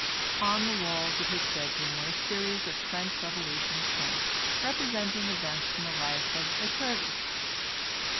On the walls of his bedroom were a series of French Revolution prints representing events in the life of Lycurgus.